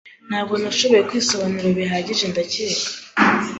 Ntabwo nashoboye kwisobanura bihagije ndakeka.